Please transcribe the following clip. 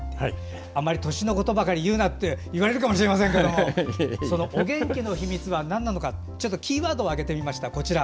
あまり年のことばかり言うなと言われるかもしれませんがそのお元気の秘密はなんなのかキーワードを挙げてみました。